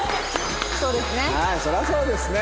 そうですね。